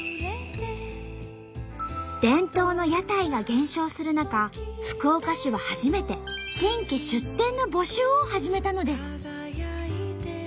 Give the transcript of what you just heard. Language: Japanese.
伝統の屋台が減少する中福岡市は初めて新規出店の募集を始めたのです。